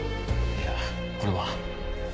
いやこれは。